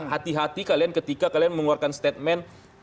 hati hati kalian ketika kalian mengeluarkan statement